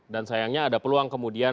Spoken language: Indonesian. dan sayangnya ada peluang kemudian